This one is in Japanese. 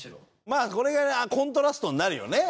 まあこれがコントラストになるよね。